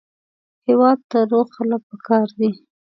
هېواد ته روغ خلک پکار دي